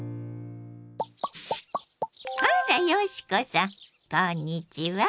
あら嘉子さんこんにちは。